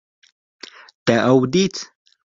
Te ew dît